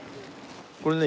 これね